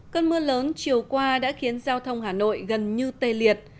cơn mưa lớn chiều qua đã khiến giao thông hà nội gần như tê liệt